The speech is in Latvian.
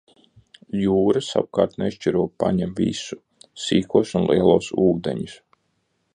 Jūra savukārt nešķiro, pieņem visu – sīkos un lielos ūdeņus.